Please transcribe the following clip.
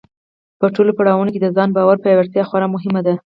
په ټولو پړاوونو کې د ځان باور پیاوړتیا خورا مهمه ده.